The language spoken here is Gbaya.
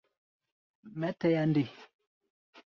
Mɛ́ tɛa nde?